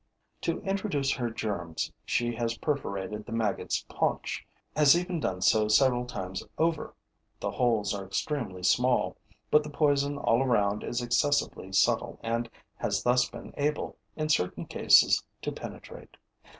To introduce her germs, she has perforated the maggot's paunch, has even done so several times over. The holes are extremely small, but the poison all around is excessively subtle and has thus been able, in certain cases, to penetrate.